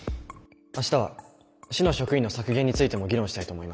明日は市の職員の削減についても議論したいと思います。